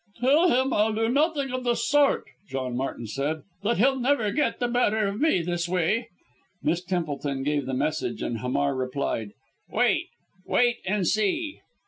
"Tell him I'll do nothing of the sort," John Martin said, "that he'll never get the better of me this way." Miss Templeton gave the message, and Hamar replied "Wait! Wait and see!"